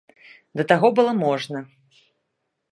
Да таго было можна.